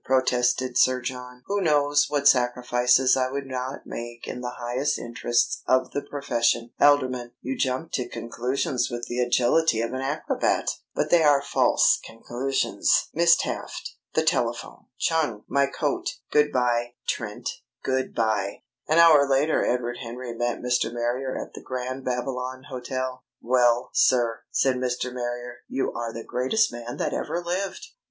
protested Sir John. "Who knows what sacrifices I would not make in the highest interests of the profession? Alderman, you jump to conclusions with the agility of an acrobat, but they are false conclusions! Miss Taft, the telephone! Chung, my coat! Good bye, Trent, good bye!" An hour later Edward Henry met Mr. Marrier at the Grand Babylon Hotel. "Well, sir," said Mr. Marrier, "you are the greatest man that ever lived!"